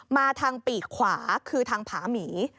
มาทางปีกขวาคือทางผาหมี